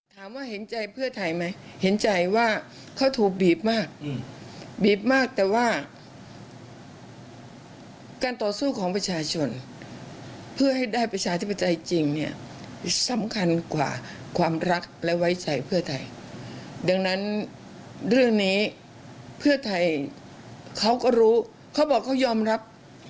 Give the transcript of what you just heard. เขาก็รู้เขาบอกเขายอมรับ